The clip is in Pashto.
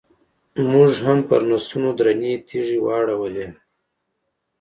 موږ هم پرنسونو درنې تیږې واړولې.